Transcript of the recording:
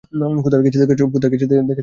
কোথায় গেছে দেখেছ নাকি?